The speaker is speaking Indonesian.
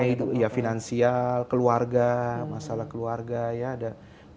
iya finansial keluarga masalah keluarga ya ada musibah di